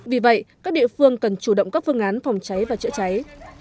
vì vậy các địa phương cần chủ động các phương án phòng cháy và chữa cháy